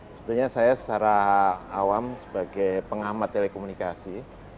sebetulnya saya secara awam sebagai pengamat telekomunikasi